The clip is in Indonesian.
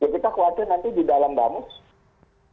kita kewajiban nanti di dalam damus